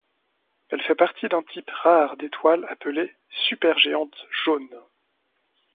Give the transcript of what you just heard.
Elle fait partie d'un type rare d'étoiles appelées supergéantes jaunes.